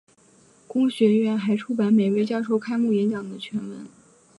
公学院还出版每位教授开幕演讲的全文。